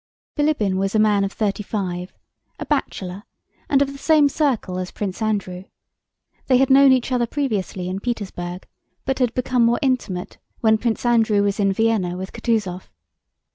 Bilíbin was a man of thirty five, a bachelor, and of the same circle as Prince Andrew. They had known each other previously in Petersburg, but had become more intimate when Prince Andrew was in Vienna with Kutúzov.